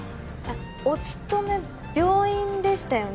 お勤め病院でしたよね？